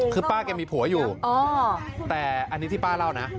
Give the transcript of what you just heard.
คือป้าแกมีผัวอยู่แต่อันนี้ที่ป้าเล่านะ